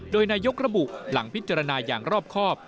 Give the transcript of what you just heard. โดยนายกระบุหลังพิจารณาอย่างรอบครอบ